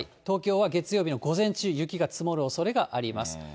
東京は月曜日の午前中、雪が積もるおそれがあります。